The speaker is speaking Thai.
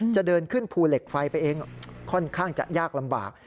จะเดินขึ้นภูเหล็กไฟไปเองค่อนข้างจะยากลำบาก